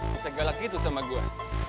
bisa galak gitu sama gue